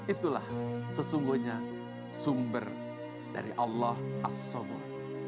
itulah sesungguhnya sumber dari allah as somoh